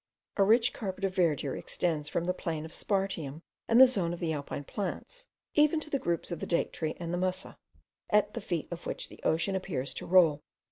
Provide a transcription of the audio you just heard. A rich carpet of verdure extends from the plain of spartium, and the zone of the alpine plants even to the groups of the date tree and the musa, at the feet of which the ocean appears to roll.